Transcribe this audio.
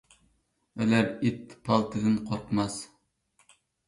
ئۆلەر ئىت پالتىدىن قورقماس.